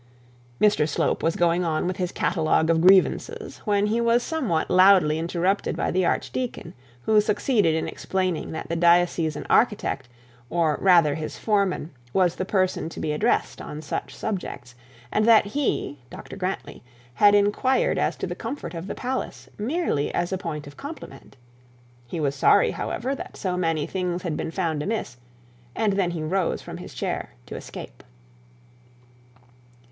Mr Slope was going on with his catalogue of grievances, when he was somewhat loudly interrupted by the archdeacon who succeeded in explaining that the diocesan architect, or rather his foreman, was the person to be addressed on such subjects; and that he, Dr Grantly, had inquired as to the comfort of the palace, merely as a point of compliment. He was very sorry, however, that so many things had been found amiss: and then he rose from his chair to escape.